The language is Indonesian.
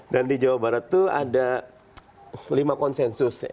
dan di jawa barat tuh ada lima konsensus